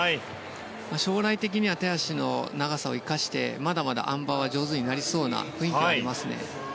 将来的には手足の長さを生かしてまだまだあん馬は上手になりそうな雰囲気はありますね。